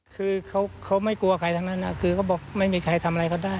คือเขาไม่กลัวใครทั้งนั้นนะคือเขาบอกไม่มีใครทำอะไรเขาได้